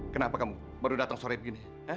kenapa kamu baru datang sore begini